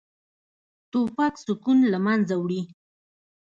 توپک سکون له منځه وړي.